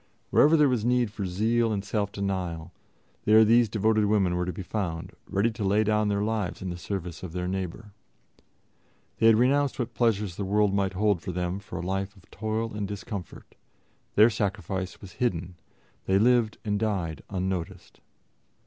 Wherever there was need for zeal and self denial, there these devoted women were to be found, ready to lay down their lives in the service of their neighbor. They had renounced what pleasures the world might hold for them for a life of toil and discomfort; their sacrifice was hidden; they lived and died unnoticed.